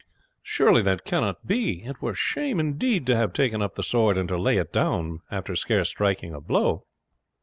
"Surely that cannot be! It were shame indeed to have taken up the sword, and to lay it down after scarce striking a blow."